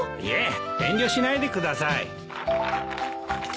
いえ遠慮しないでください。